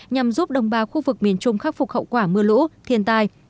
nhằm giúp đồng bào khu vực miền trung khắc phục hậu quả mưa lũ thiên tai